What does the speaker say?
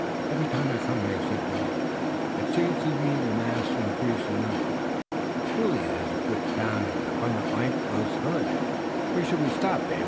"Every time I come here," said Willet, "it seems to me that the masts increase in number. Truly it is a good town, and an abundant life flows through it." "Where shall we stop, Dave?"